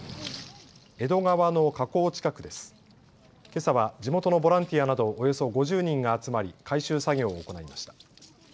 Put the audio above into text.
けさは地元のボランティアなどおよそ５０人が集まり回収作業を行いました。